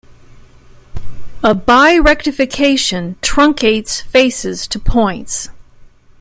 A birectification truncates faces to points.